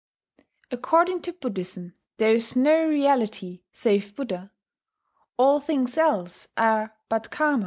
According to Buddhism there is no reality save Buddha: all things else are but Karma.